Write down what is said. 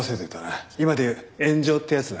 今で言う炎上ってやつだ。